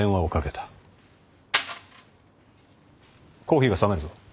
コーヒーが冷めるぞ。